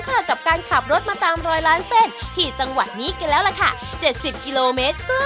อยากรอกินก๋วยเตี๋ยวนมันเนื้อรสชาติเหล่าเดิม